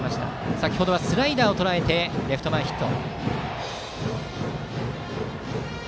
先程はスライダーをとらえてレフト前ヒット。